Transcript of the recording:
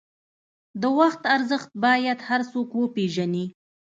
د وخت ارزښت باید هر څوک وپېژني.